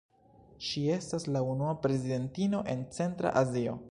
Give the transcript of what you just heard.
Ŝi estas la unua prezidentino en Centra Azio.